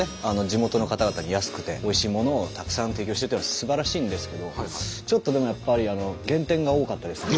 地元の方々に安くておいしいものをたくさん提供してっていうのはすばらしいんですけどちょっとでもやっぱり減点！